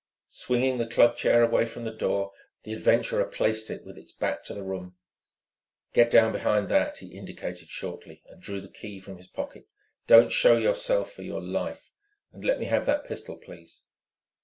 Swinging the club chair away from the door, the adventurer placed it with its back to the room. "Get down behind that," he indicated shortly, and drew the key from his pocket. "Don't show yourself for your life. And let me have that pistol, please."